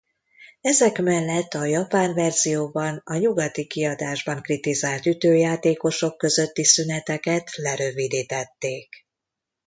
Ezek mellett a japán verzióban a nyugati kiadásban kritizált ütőjátékosok közötti szüneteket lerövidítették.